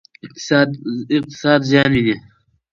اقتصاد زیان ویني.